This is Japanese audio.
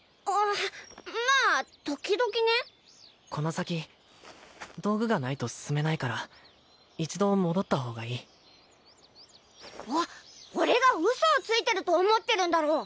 まあ時々ねこの先道具がないと進めないから一度戻った方がいいお俺がウソをついてると思ってるんだろ